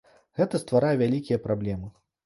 Гэта стварае вялікія праблемы.